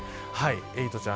エイトちゃん